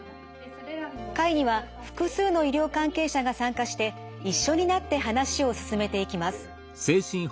会には複数の医療関係者が参加して一緒になって話を進めていきます。